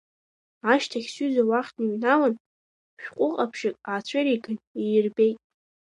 Ашьҭахь сҩыза уахь дныҩналан, шәҟәы ҟаԥшьык аацәыриган, иирбеит.